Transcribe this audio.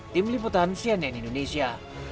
tim liputan cnn indonesia